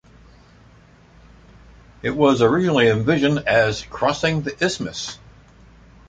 It was originally envisioned as crossing the isthmus.